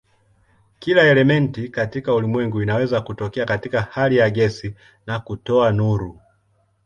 Kila elementi katika ulimwengu inaweza kutokea katika hali ya gesi na kutoa nuru.